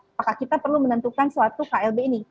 apakah kita perlu menentukan suatu klb ini